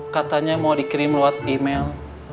katanya mau dikirim lewat email